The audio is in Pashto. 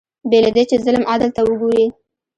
بې له دې چې ظلم عدل ته وګوري